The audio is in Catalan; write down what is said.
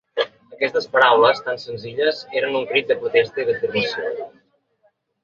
Aquestes paraules, tan senzilles, eren un crit de protesta i d’afirmació.